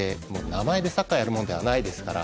名前でサッカーをやるものではないですから。